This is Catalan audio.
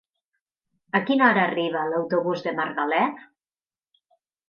A quina hora arriba l'autobús de Margalef?